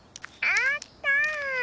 あった！